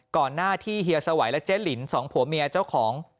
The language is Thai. ก่อนหน้าที่เฮียสวัยและเจ๊หลินสองผัวเมียเจ้าของ